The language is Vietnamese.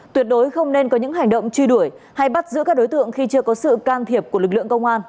tuyệt đối không nên có những hành động truy đuổi hay bắt giữ các đối tượng khi chưa có sự can thiệp của lực lượng công an